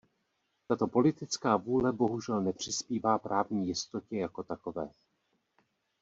Tato politická vůle bohužel nepřispívá právní jistotě jako takové.